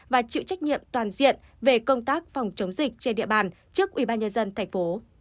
và chịu trách nhiệm toàn diện về công tác phòng chống dịch trên địa bàn trước ubnd tp